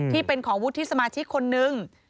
ที่เป็นของวุฒิสมาชิกคนนึง